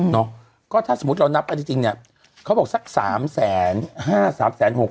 เนาะก็ถ้าสมมุติเรานับกันจริงเนี่ยเขาบอกสักสามแสนห้าสามแสนหก